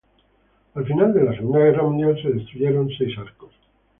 Al final de la Segunda Guerra Mundial se destruyeron seis arcos.